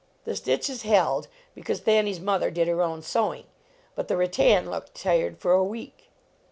The stitches held, because Thanny s mother did her own sewing. But the rattan looked tired for a week.